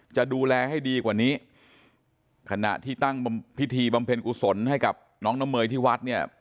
จะดูแลให้ดีกว่านี้ขณะที่ตั้งพิธีบำเพ็ญกุศลให้กับน้องน้ำเมยที่วัดเนี่ย